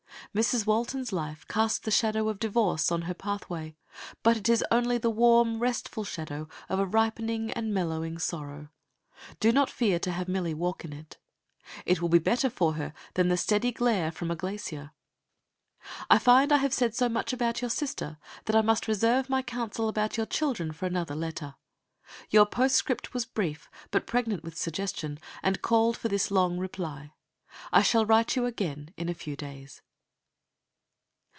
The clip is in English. Mrs. Walton's life casts the shadow of divorce on her pathway, but it is only the warm, restful shadow of a ripening and mellowing sorrow. Do not fear to have Millie walk in it. It will be better for her than the steady glare from a glacier. I find I have said so much about your sister that I must reserve my counsel about your children for another letter. Your postscript was brief, but pregnant with suggestion, and called for this long reply. I shall write you again in a few days.